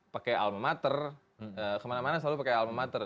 pakai alma mater kemana mana selalu pakai alma mater